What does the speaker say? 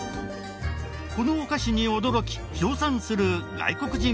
このお菓子に驚き称賛する外国人プロは。